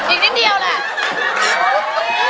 อีกนิดเดียวแหละ